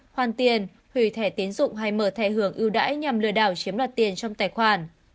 hoàn tiền hủy thẻ tiến dụng hay mở thẻ hưởng ưu đãi nhằm lừa đảo chiếm đoạt tiền trong tài khoản